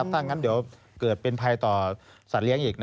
ถ้างั้นเดี๋ยวเกิดเป็นภัยต่อสัตว์เลี้ยงอีก